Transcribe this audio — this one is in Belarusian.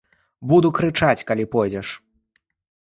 Буду крычаць, калі пойдзеш.